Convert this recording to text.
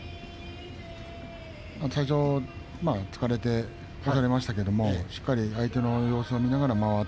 最初、突かれて下がりましたがしっかり相手の様子を見ながら上手。